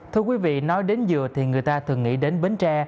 thưa quý vị nói đến dừa thì người ta thường nghĩ đến bến tre